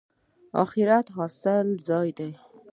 اخرت د حاصل ځای دی